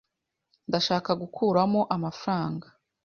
Ndashaka gukuramo amafaranga